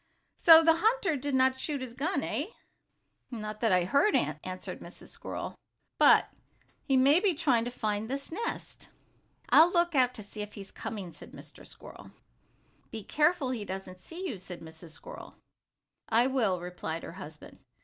"So the hunter did not shoot his gun, eh?" "Not that I heard," answered Mrs. Squirrel. "But he may be trying to find this nest." "I'll look out and see if he is coming," said Mr. Squirrel. "Be careful he doesn't see you," said Mrs. Squirrel. "I will," replied her husband.